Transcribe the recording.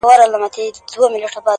• سل یې نوري ورسره وې سهیلیاني,